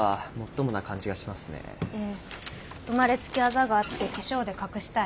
生まれつきアザがあって化粧で隠したい。